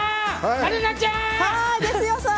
春奈ちゃん！